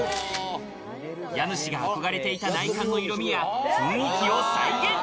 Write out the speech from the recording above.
家主が憧れていた内観の色味や雰囲気を再現。